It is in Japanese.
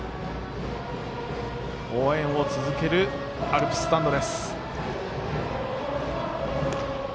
応援を続けるアルプススタンド。